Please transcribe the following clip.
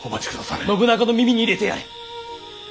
信長の耳に入れてやれ。